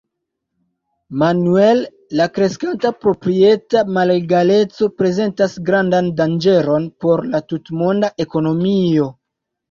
Manuel, la kreskanta proprieta malegaleco prezentas grandan danĝeron por la tutmonda ekonomio.